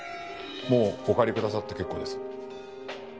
もうお帰りくださって結構です。